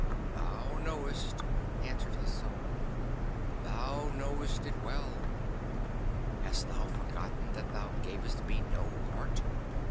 'Thou knowest,' answered his Soul, 'thou knowest it well. Hast thou forgotten that thou gavest me no heart?